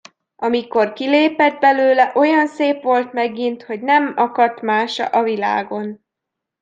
Amikor kilépett belőle, olyan szép volt megint, hogy nem akadt mása a világon.